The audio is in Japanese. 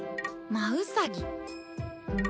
魔ウサギ。